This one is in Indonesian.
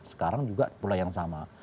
sekarang juga pulau yang sama